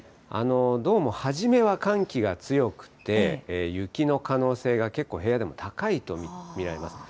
どうも初めは寒気が強くて、雪の可能性が結構、平野でも高いと見られます。